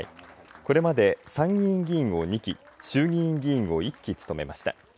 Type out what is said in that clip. これまで参議院議員を２期衆議院議員を１期務めました。